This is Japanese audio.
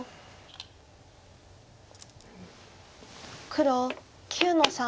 黒９の三。